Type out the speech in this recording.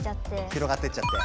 広がってっちゃって。